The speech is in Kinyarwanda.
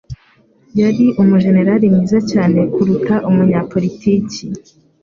Yari umujenerali mwiza cyane kuruta umunyapolitiki.